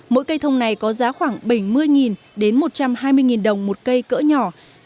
mỗi cây thông này có giá khoảng bảy mươi đến một trăm hai mươi đồng một cây cỡ nhỏ